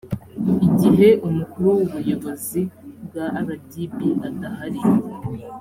igihe umukuru w ubuyobozi bwa rdb adahari